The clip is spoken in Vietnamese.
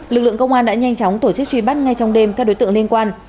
lực lượng công an đã nhanh chóng tổ chức truy bắt ngay trong đêm các đối tượng liên quan